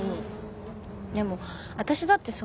でも私だってそうだよ。